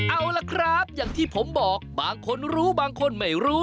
เอาล่ะครับอย่างที่ผมบอกบางคนรู้บางคนไม่รู้